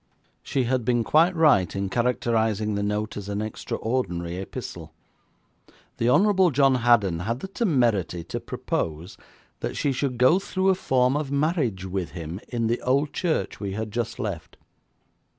She had been quite right in characterising the note as an extraordinary epistle. The Honourable John Haddon had the temerity to propose that she should go through a form of marriage with him in the old church we had just left.